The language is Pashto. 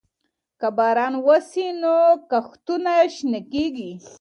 که باران وسي، نو کښتونه شنه کيږي.